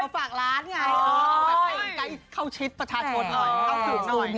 เราฝากร้านไงเอาแบบใกล้ใกล้เข้าชิดประชาชนหน่อย